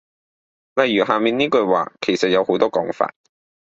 例如下面呢句話其實有好多講法